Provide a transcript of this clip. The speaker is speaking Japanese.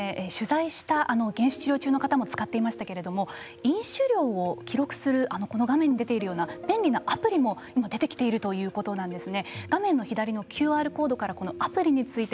取材した減酒治療中の方も使っていましたけれども飲酒量を記録するこの画面に出ているような便利なアプリも今、出てきているということなんですね。